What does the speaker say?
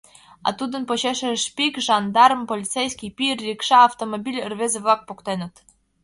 А тудын почешыже шпик, жандарм, полицейский, пий, рикша, автомобиль, рвезе-влак поктеныт...